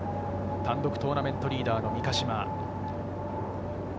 単独トーナメントリーダーの三ヶ島。